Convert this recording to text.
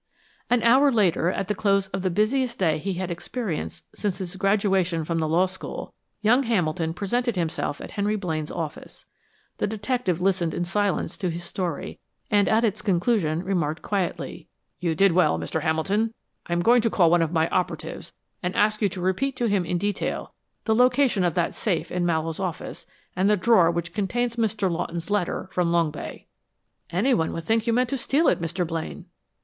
An hour later, at the close of the busiest day he had experienced since his graduation from the law school, young Hamilton presented himself at Henry Blaine's office. The detective listened in silence to his story, and at its conclusion remarked quietly: "You did well, Mr. Hamilton. I am going to call one of my operatives and ask you to repeat to him in detail the location of that safe in Mallowe's office and the drawer which contains Mr. Lawton's letter from Long Bay." "Anyone would think you meant to steal it, Mr. Blaine."